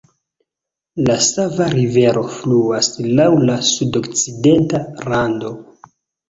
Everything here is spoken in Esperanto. La Sava Rivero fluas laŭ la sudokcidenta rando.